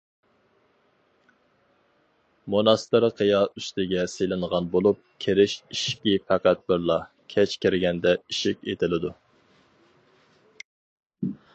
موناستىر قىيا ئۈستىگە سېلىنغان بولۇپ، كىرىش ئىشىكى پەقەت بىرلا، كەچ كىرگەندە ئىشىك ئېتىلىدۇ.